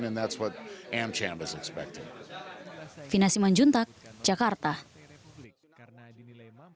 jadi inilah yang diharapkan oleh bisnis dan amcham